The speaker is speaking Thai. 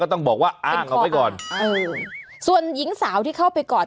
ต้องบอกว่าอ้างเอาไว้ก่อนเออส่วนหญิงสาวที่เข้าไปกอด